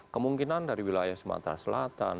kemungkinan dari wilayah sumatera selatan